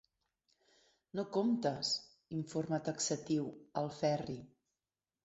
No comptes –informa taxatiu el Ferri.